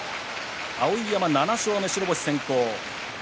碧山７勝目、白星先行。